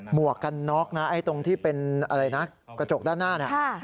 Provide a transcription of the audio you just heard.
หมวกกันน็อกตรงที่เป็นอะไรนะกระจกด้านหน้า